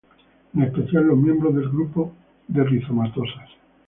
En especial los miembros del grupo de rizomatosas.